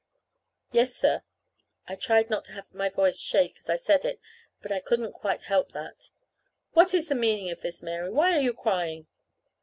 "Yes, sir." I tried not to have my voice shake as I said it; but I couldn't quite help that. "What is the meaning of this, Mary? Why are you crying?"